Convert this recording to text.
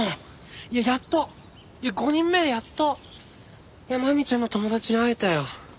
いややっと５人目でやっとマミちゃんの友達に会えたよ。